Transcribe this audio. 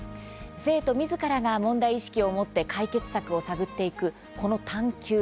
生徒みずからが問題意識を持って解決策を探っていくこの「探究」。